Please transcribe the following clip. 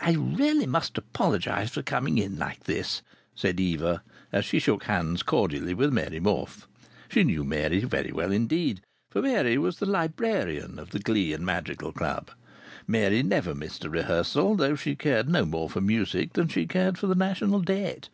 "I really must apologize for coming in like this," said Eva, as she shook hands cordially with Mary Morfe. She knew Mary very well indeed. For Mary was the "librarian" of the glee and madrigal club; Mary never missed a rehearsal, though she cared no more for music than she cared for the National Debt.